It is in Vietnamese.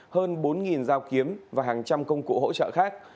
hơn bốn dao kiếm và hàng trăm công cụ hỗ trợ khác